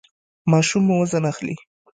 ماشوم مو وزن اخلي؟